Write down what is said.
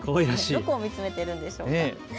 どこを見つめているんでしょうか。